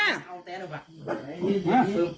เอาเลย